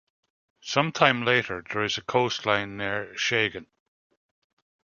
Some time later, there is a coastline near Schagen.